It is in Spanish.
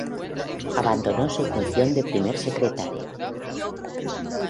Abandonó su función de primer secretario.